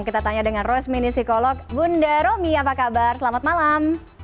kita tanya dengan rosmini psikolog bunda romi apa kabar selamat malam